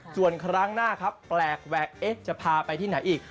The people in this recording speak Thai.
ส่วนครั้งหน้าครับแปลกแหวกเอ๊ะจะพาไปที่ไหนอีก